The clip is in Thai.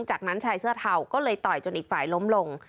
จากนั้นชายเสื้อเทาก็เลยต่อยจนอีกฝ่ายล้มลง